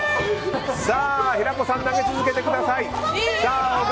平子さん投げ続けてください。